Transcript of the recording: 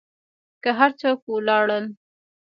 که هر څوک و لاړل.